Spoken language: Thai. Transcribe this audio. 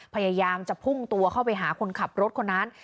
พยายามจะพุ่งตัวเข้าไปหาคนขับรถคนนั้น